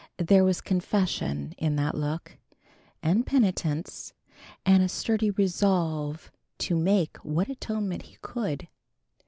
There was confession in that look, and penitence and a sturdy resolve to make what atonement he could.